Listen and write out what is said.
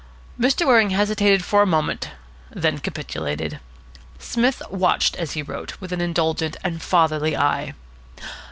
Mr. Waring hesitated for a moment, then capitulated. Psmith watched, as he wrote, with an indulgent and fatherly eye.